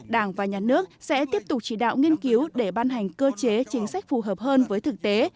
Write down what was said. đảng và nhà nước sẽ tiếp tục chỉ đạo nghiên cứu để ban hành cơ chế chính sách phù hợp hơn với thực tế